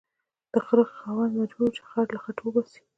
د خره خاوند مجبور و چې خر له خټو وباسي